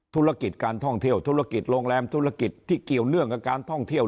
ธุรกิจการท่องเที่ยวธุรกิจโรงแรมธุรกิจที่เกี่ยวเนื่องกับการท่องเที่ยว